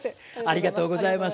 ありがとうございます。